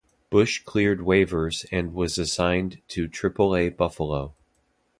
Bush cleared waivers and was assigned to Triple-A Buffalo.